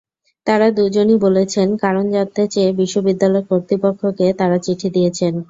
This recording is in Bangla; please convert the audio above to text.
তাঁরা দুজনই বলেছেন, কারণ জানতে চেয়ে বিশ্ববিদ্যালয় কর্তৃপক্ষকে তাঁরা চিঠি দিয়েছেন।